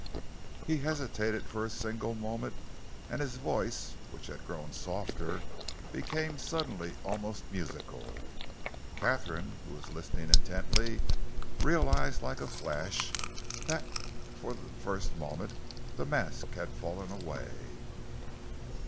He hesitated for a single moment, and his voice, which had grown softer, became suddenly almost musical. Katharine, who was listening intently, realised like a flash that for the first moment the mask had fallen away.